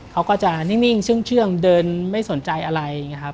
เขาก็จะนิ่งชื่องเดินไม่สนใจอะไร